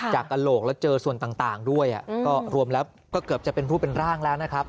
กระโหลกแล้วเจอส่วนต่างด้วยก็รวมแล้วก็เกือบจะเป็นรูปเป็นร่างแล้วนะครับ